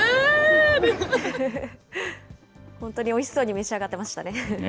本当においしそうに召し上がってましたね。ね。